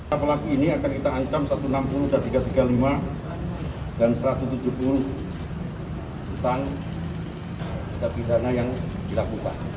para pelaku ini akan ditangankan satu ratus enam puluh dari tiga puluh lima dan satu ratus tujuh puluh setan dari dana yang dilakukan